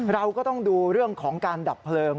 เราก็ต้องดูเรื่องของการดับเพลิง